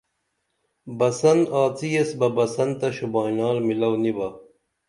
بسن آڅی ایس بہ بسن تہ شوبائنار میلاو نِبا